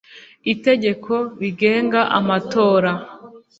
itegeko rigenga amatora